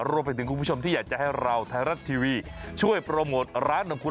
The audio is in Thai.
คุณผู้ชมที่อยากจะให้เราไทยรัฐทีวีช่วยโปรโมทร้านของคุณ